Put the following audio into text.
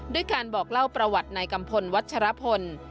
ด้วยการบอกเล่าประวัติในกัมพลวัชฌาพนธ์